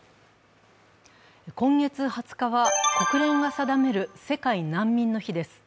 今月２０日は国連が定める世界難民の日です